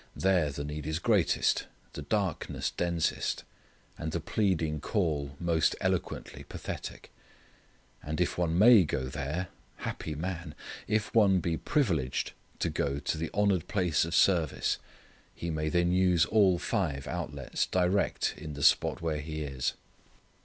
There the need is greatest, the darkness densest, and the pleading call most eloquently pathetic. And if one may go there happy man! if one be privileged to go to the honoured place of service he may then use all five outlets direct in the spot where he is.